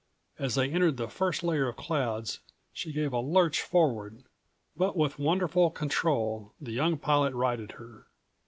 As they entered the first layer of clouds, she gave a lurch forward, but with wonderful control the young pilot righted her.